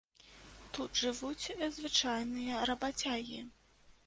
Тут жывуць звычайныя рабацягі.